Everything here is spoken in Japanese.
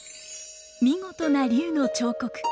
見事な龍の彫刻。